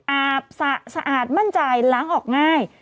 อาบสะอาดมั่นใจล้างออกง่าย